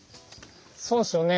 そうですよね